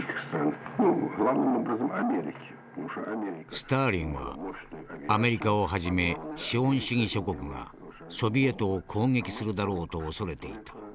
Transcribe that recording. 「スターリンはアメリカをはじめ資本主義諸国がソビエトを攻撃するだろうと恐れていた。